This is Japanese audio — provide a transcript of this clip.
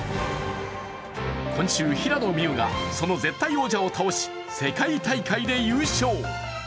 今週、平野美宇がその絶対王者を倒し世界大会で優勝。